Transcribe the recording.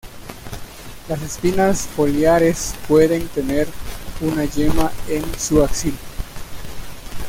Las espinas foliares pueden tener una yema en su axila.